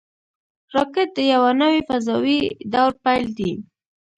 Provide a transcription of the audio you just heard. راکټ د یوه نوي فضاوي دور پیل دی